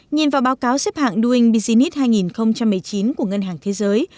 nhìn vào báo cáo xếp hạng doing business hai nghìn một mươi chín của ngân hàng thế giới